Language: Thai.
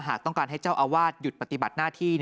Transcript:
ต้องการให้เจ้าอาวาสหยุดปฏิบัติหน้าที่